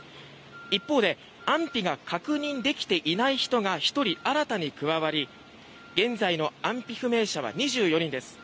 一方で、安否が確認できていない人が１人新たに加わり現在の安否不明者は２４人です。